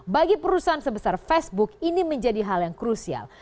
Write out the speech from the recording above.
bagi perusahaan sebesar facebook ini menjadi hal yang krusial